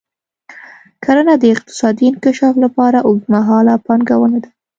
کرنه د اقتصادي انکشاف لپاره اوږدمهاله پانګونه ده.